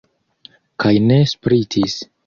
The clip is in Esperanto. Kaj ne spritis.